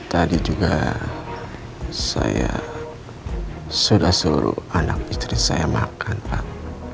tadi juga saya sudah suruh anak istri saya makan pak